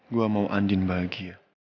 gue mau andin bahagia